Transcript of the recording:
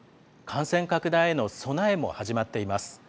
感染拡大への備えも始まっています。